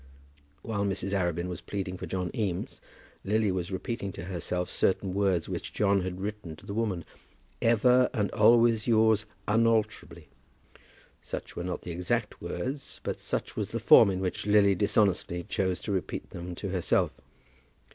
While Mrs. Arabin was pleading for John Eames, Lily was repeating to herself certain words which John had written to the woman "Ever and always yours unalterably." Such were not the exact words, but such was the form in which Lily, dishonestly, chose to repeat them to herself.